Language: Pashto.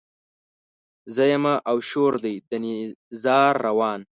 زه يمه او شور دی د نيزار روان